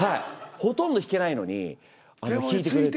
ほとんど弾けないのに弾いてくれて。